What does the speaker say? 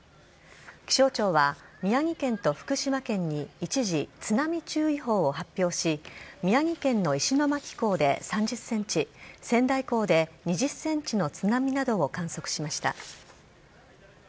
気象庁は宮城県と福島県に一時、津波注意報を発表し宮城県の石巻港で３０ｃｍ仙台港で２０ｃｍの津波などを観測しました。